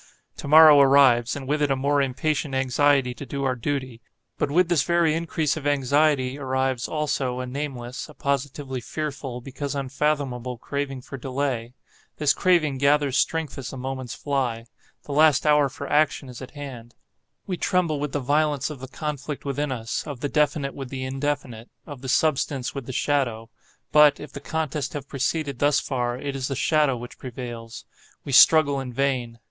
To morrow arrives, and with it a more impatient anxiety to do our duty, but with this very increase of anxiety arrives, also, a nameless, a positively fearful, because unfathomable, craving for delay. This craving gathers strength as the moments fly. The last hour for action is at hand. We tremble with the violence of the conflict within us,—of the definite with the indefinite—of the substance with the shadow. But, if the contest have proceeded thus far, it is the shadow which prevails,—we struggle in vain.